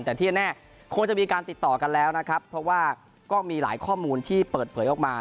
แต่ที่แน่คงจะมีการติดต่อกันแล้วนะครับเพราะว่าก็มีหลายข้อมูลที่เปิดเผยออกมา